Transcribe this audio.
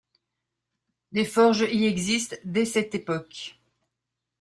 Des forges y existent dès cette époque.